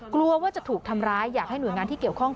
กลัวว่าจะถูกทำร้ายอยากให้หน่วยงานที่เกี่ยวข้อง